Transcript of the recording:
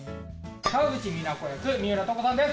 河口美奈子役三浦透子さんです